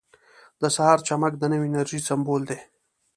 • د سهار چمک د نوې انرژۍ سمبول دی.